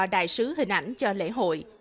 đại sứ hình ảnh cho lễ hội